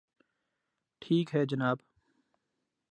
ٹھیک ہے جناب